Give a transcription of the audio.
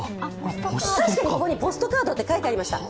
確かに、ここにポストカードって書いてありました。